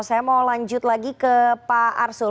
saya mau lanjut lagi ke pak arsul